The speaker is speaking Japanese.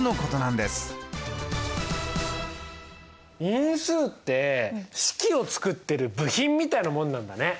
因数って式を作ってる部品みたいなもんなんだね。